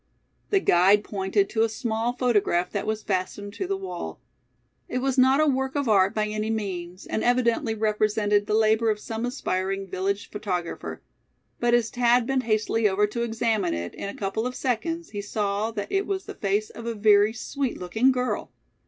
The guide pointed to a small photograph that was fastened to the wall. It was not a work of art by any means, and evidently represented the labor of some aspiring village photographer; but as Thad bent hastily over to examine it, in a couple of seconds, he saw that it was the face of a very sweet looking girl.